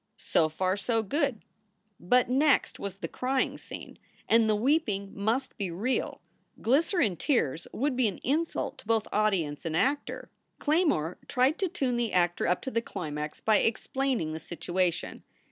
So far so good. But next was the crying scene, and the weeping must be real. Glycerine tears would be an insult to both audience and actor. Claymore tried to tune the actor up to the climax by explaining the situation.